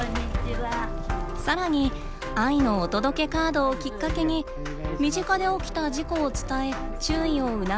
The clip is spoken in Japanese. さらに「愛のお届けカード」をきっかけに身近で起きた事故を伝え注意を促すことも。